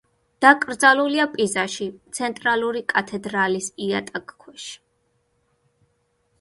დაკრძალულია პიზაში, ცენტრალური კათედრალის იატაკქვეშ.